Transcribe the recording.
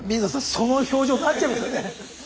その表情になっちゃいますよね。